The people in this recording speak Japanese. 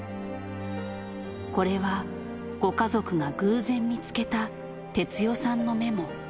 これはご家族が偶然見つけた哲代さんのメモ。